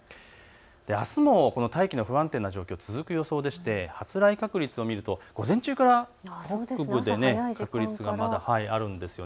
あすも大気の不安定な状態、続く予想で発雷確率を見ると午前中から北部で確率がまだあるんです。